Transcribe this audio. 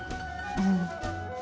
うん。